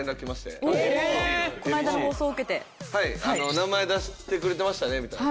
名前出してくれてましたねみたいな。